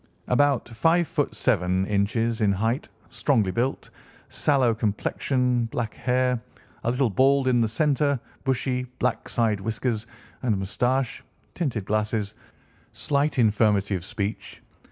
About five ft. seven in. in height; strongly built, sallow complexion, black hair, a little bald in the centre, bushy, black side whiskers and moustache; tinted glasses, slight infirmity of speech.